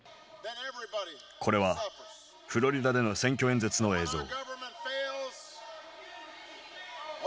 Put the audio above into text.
これはフロリダでの選挙演説の映像。